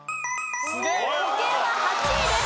時計は８位です。